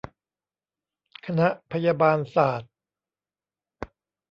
คณะพยาบาลศาสตร์